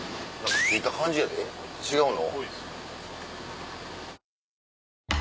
着いた感じやで違うの？